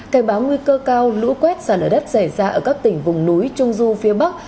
cảnh báo nguy cơ cao lũ quét xả lở đất xảy ra ở các tỉnh vùng núi trung du phía bắc